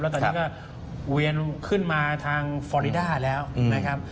ตอนนี้ก็เวียนขึ้นมาทางฟอริดาแล้วนะครับ